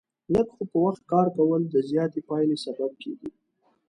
لږ خو په وخت کار کول، د زیاتې پایلې سبب کېږي.